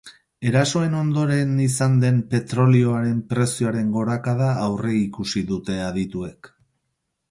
Erasoen ondoren izan den petrolioaren prezioaren gorakada aurreikusi dute adituek.